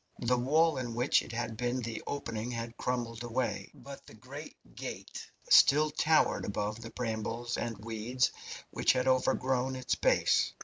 The wall in which it had been the opening had crumbled away, but the great gate still towered above the brambles and weeds which had overgrown its base.